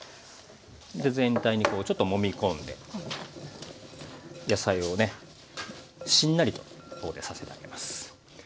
で全体にこうちょっともみ込んで野菜をねしんなりとここでさせてあげます。